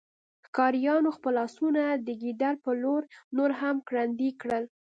ښکاریانو خپل آسونه د ګیدړ په لور نور هم ګړندي کړل